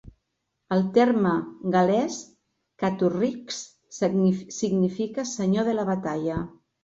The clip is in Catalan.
El terme gal·lès "catu-rix" significa "senyor de la batalla".